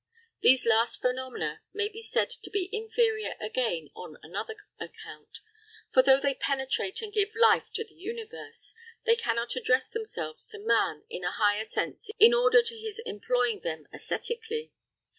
These last phenomena may be said to be inferior again on another account; for though they penetrate and give life to the universe, they cannot address themselves to man in a higher sense in order to his employing them æsthetically.